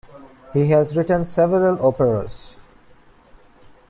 He has written several operas.